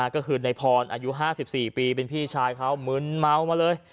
ก็คือในพรอายุ๕๔ปีเป็นพี่ชายเขามึนเมามาเลย